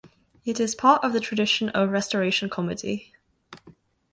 It is part of the tradition of Restoration Comedy.